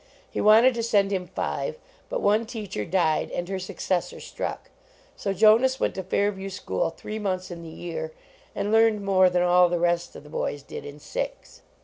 He wanted to send him five, but one teacher died and her successor struck. So Jonas went to Fairview school three months in the year, and learned more than all the rest of the boys did in six.